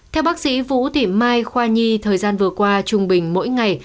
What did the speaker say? theo bác sĩ vũ thị mai khoa nhi thời gian vừa qua trung bình mỗi ngày